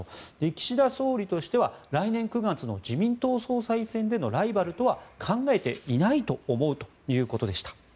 岸田総理としては来年９月の自民党総裁選でのライバルとは考えていないと思うということでした。